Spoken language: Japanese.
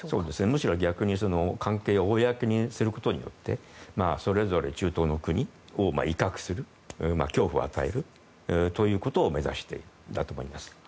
むしろ逆に関係を公にすることによってそれぞれ中東の国を威嚇する恐怖を与えるということを目指しているんだと思います。